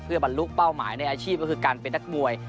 บรรลุเป้าหมายในอาชีพก็คือการเป็นนักมวย